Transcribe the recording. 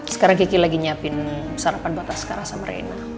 sekarang kiki lagi nyiapin sarapan buat askarasa marena